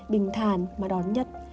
bình thản mà đón nhật